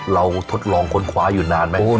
ทดลองค้นคว้าอยู่นานไหม